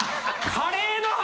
カレーの話。